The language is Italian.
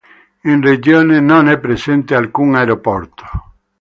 In regione non è presente alcun aeroporto.